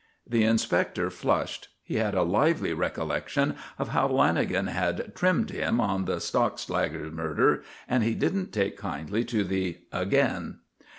The inspector flushed. He had a lively recollection of how Lanagan had "trimmed" him on the Stockslager murder and he didn't take kindly to the "again."